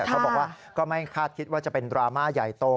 เขาบอกว่าก็ไม่คาดคิดว่าจะเป็นดราม่าใหญ่โต